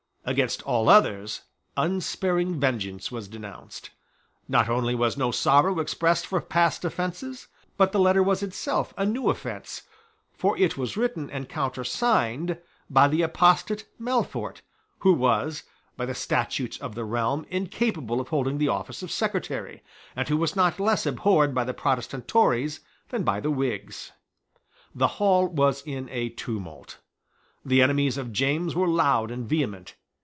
Against all others unsparing vengeance was denounced. Not only was no sorrow expressed for past offences: but the letter was itself a new offence: for it was written and countersigned by the apostate Melfort, who was, by the statutes of the realm, incapable of holding the office of Secretary, and who was not less abhorred by the Protestant Tories than by the Whigs. The hall was in a tumult. The enemies of James were loud and vehement.